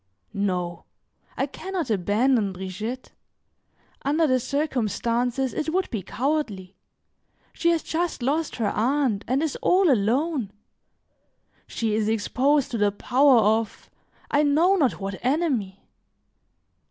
"No, I can not abandon Brigitte; under the circumstances it would be cowardly. She has just lost her aunt, and is all alone; she is exposed to the power of, I know not what enemy.